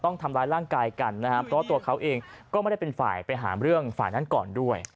เพราะว่าตัวเขาเองก็ไม่ได้เป็นฝ่ายไปหาเรื่องฝ่านั้นก่อนด้วย